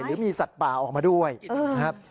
หรือมีสัตว์ป่าออกมาด้วยนะครับ